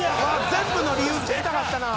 全部の理由聞きたかったなぁ。